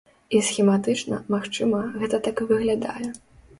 І схематычна, магчыма, гэта так і выглядае.